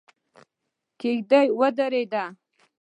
کېږدۍ ودرېده.